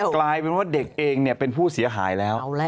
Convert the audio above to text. กลายเป็นว่าเด็กเองเป็นผู้เสียหายแล้ว